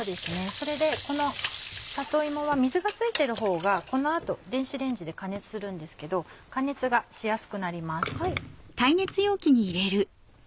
それでこの里芋は水が付いてるほうがこの後電子レンジで加熱するんですけど加熱がしやすくなります。